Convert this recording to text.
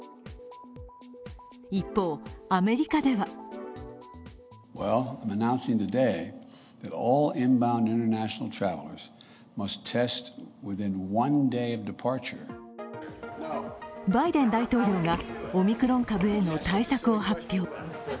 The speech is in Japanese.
一方、アメリカではバイデン大統領がオミクロン株への対策を発表。